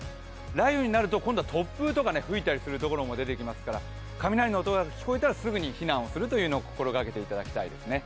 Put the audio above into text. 雷雨になると今度は突風とかが吹いてくるところもありますから雷の音が聞こえたらすぐに避難するということを心がけていただきたいですね。